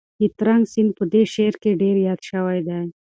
د ترنک سیند په دې شعر کې ډېر یاد شوی دی.